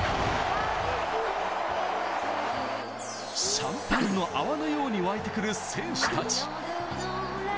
シャンパンの泡のようにわいてくる選手たち。